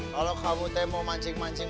kalau kamu mau mancing mancing